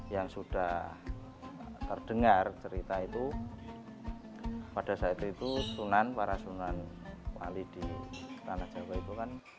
yang sudah terdengar cerita itu pada saat itu sunan para sunan wali di tanah jawa itu kan